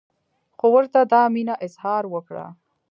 خو ورته دا مینه اظهار وکړه.